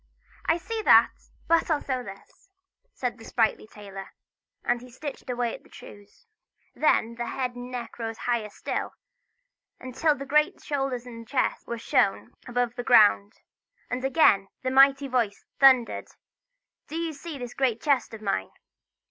"I see that, but I'll sew this!" said the sprightly tailor; and he stitched away at his trews. Then the head and neck rose higher still, until the great shoulders and chest were shown above the ground. And again the mighty voice thundered: "Do you see this great chest of mine?"